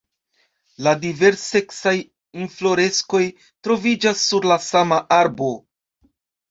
La divers-seksaj infloreskoj troviĝas sur la sama arbo.